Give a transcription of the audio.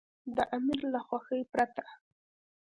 د امیر له خوښې پرته.